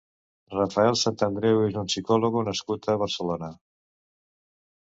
Rafael Santandreu és un psicólogo nascut a Barcelona.